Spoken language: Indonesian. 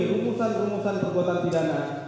rumusan rumusan perbuatan pidana